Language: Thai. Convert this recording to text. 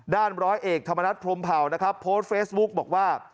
ร้อยเอกธรรมนัฐพรมเผานะครับโพสต์เฟซบุ๊กบอกว่า